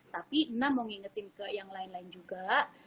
tapi enam mau ngingetin ke yang lain lain juga